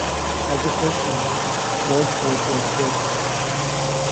As a freshman, Groce was redshirted.